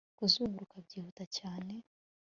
kuzunguruka byihuta cyane